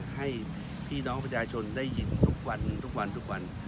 ให้พี่น้องประชาชนได้ยินทุกวันทุกวันทุกวัน